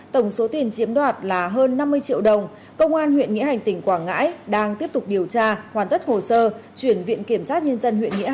tổng số tiền chiếm đoạt là hơn năm mươi triệu đồng công an huyện nghĩa hành tỉnh quảng ngãi đang tiếp tục điều tra hoàn tất hồ sơ chuyển viện kiểm soát nhân dân huyện nghĩa hành truy tố theo quy định